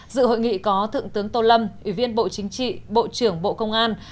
dự hội nghị có thượng tướng tô lâm ủy viên bộ chính trị bộ trưởng bộ công an